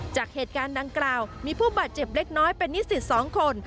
จากเหตุการณ์ดังกล่าวมีผู้บาดเจ็บเล็กน้อยเป็นนิสิต๒คน